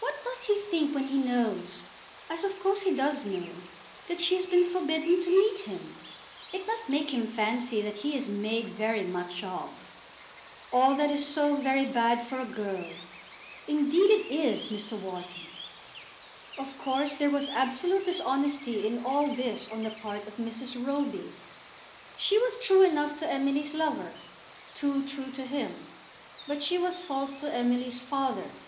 "What must he think when he knows, as of course he does know, that she has been forbidden to meet him? It must make him fancy that he is made very much of. All that is so very bad for a girl! Indeed it is, Mr. Wharton." Of course there was absolute dishonesty in all this on the part of Mrs. Roby. She was true enough to Emily's lover, too true to him; but she was false to Emily's father.